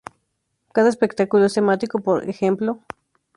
Cada espectáculo es temático, por ej.